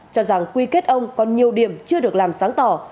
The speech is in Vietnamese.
cho rằng quy kết ông còn nhiều điểm chưa được làm sáng tỏ